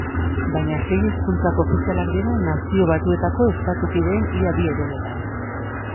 Baina sei hizkuntzak ofizialak dira Nazio Batuetako estatu kideen ia bi herenetan.